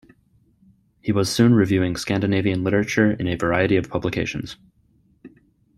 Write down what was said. He was soon reviewing Scandinavian literature in a variety of publications.